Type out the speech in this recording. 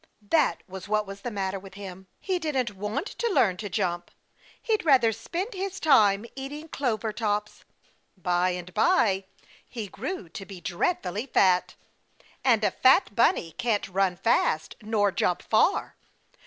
That was what was the matter with him. He didn't want to learn to jump he'd rather spend his time eating clover tops. By and by he grew to be dreadfully fat. And a fat bunny can't run fast nor jump far.